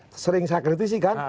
itu sering saya kritisi kan